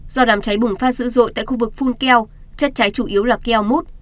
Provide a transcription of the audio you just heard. do đám trái bùng phát dữ dội tại khu vực phun keo chất trái chủ yếu là keo mút